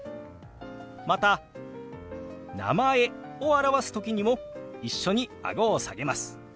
また「名前」を表す時にも一緒にあごを下げます。